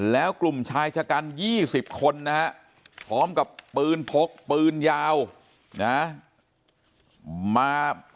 แล้วกลุ่มชายชะกัน๒๐คนนะฮะพร้อมกับปืนพกปืนยาวนะมา